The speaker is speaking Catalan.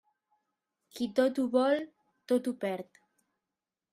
Qui tot ho vol, tot ho perd.